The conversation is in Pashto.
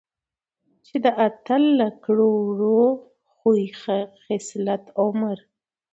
چې د اتل له کړه وړه ،خوي خصلت، عمر،